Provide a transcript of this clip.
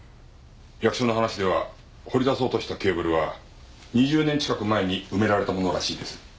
役所の話では掘り出そうとしたケーブルは２０年近く前に埋められたものらしいです。